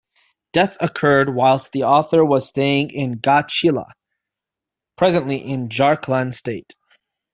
Death occurred whilst the author was staying in Ghatshila, presently in Jharkhand state.